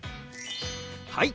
はい！